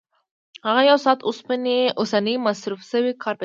هغه یو ساعت اوسنی مصرف شوی کار پېچلی دی